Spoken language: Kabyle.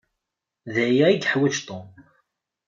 D aya i yeḥwaj Tom.